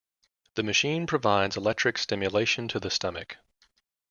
The machine provides electric stimulation to the stomach.